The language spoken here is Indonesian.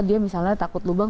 dia misalnya takut lubang